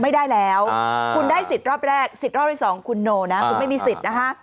ไม่ได้แล้วคุณได้สิทธิ์รอบแรกสิทธิ์รอบที่๒คุณโนนะคุณไม่มีสิทธิ์นะคะ